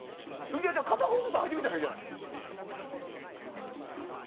片方ずつ履いてみたらいいじゃないですか。